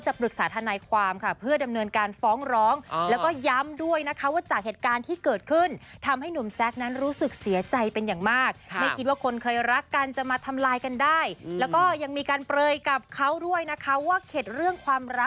จริงหรือเปล่าว่าแซคเก็ตเรื่องความรักแบบนี้นะคะโอ้โหนิดหนึ่งนะ